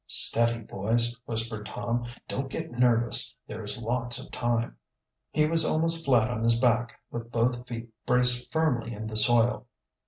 "Steady, boys!" whispered Tom. "Don't get nervous. There is lots of time." He was almost flat on his back, with both feet braced firmly in the soil.